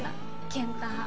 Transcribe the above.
健太派